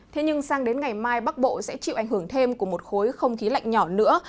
thế nhưng sang đến ngày mai bắc bộ sẽ chịu ảnh hưởng thêm của một khối không khí lạnh nhỏ nữa